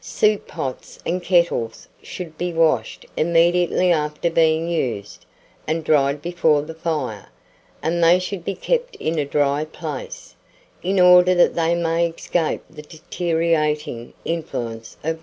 Soup pots and kettles should be washed immediately After being used, and dried before the fire, and they should be kept in a dry place, in order that they may escape the deteriorating influence of rust, and, thereby, be destroyed.